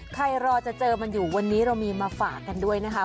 ใครรอจะเจอมันอยู่วันนี้เรามีมาฝากกันด้วยนะคะ